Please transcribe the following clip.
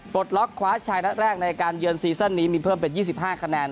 ปลดล็อกคว้าชายนัดแรกในการเยือนซีซั่นนี้มีเพิ่มเป็น๒๕คะแนน